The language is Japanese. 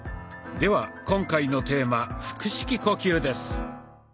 では今回のテーマ「腹式呼吸」です。